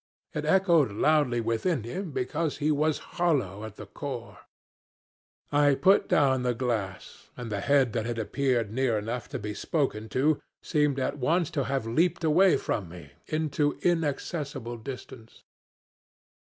It echoed loudly within him because he was hollow at the core. ... I put down the glass, and the head that had appeared near enough to be spoken to seemed at once to have leaped away from me into inaccessible distance.